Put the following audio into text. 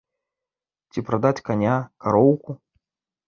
Ці прадаць каня, кароўку?